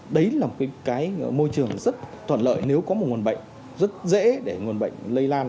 đấy là một cái môi trường rất thuận lợi nếu có một nguồn bệnh rất dễ để nguồn bệnh lây lan